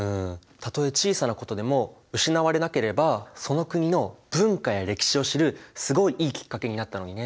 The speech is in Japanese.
たとえ小さなことでも失われなければその国の文化や歴史を知るすごいいいきっかけになったのにね。